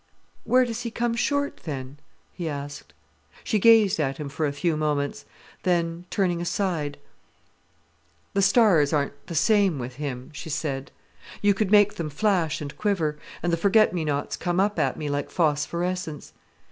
"Where does he come short, then?" he asked. She gazed at him for a few moments. Then, turning aside: "The stars aren't the same with him," she said. "You could make them flash and quiver, and the forget me nots come up at me like phosphorescence.